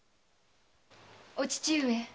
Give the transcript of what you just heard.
お父上。